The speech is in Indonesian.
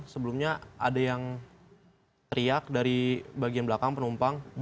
sebelumnya ada yang teriak dari bagian belakang penumpang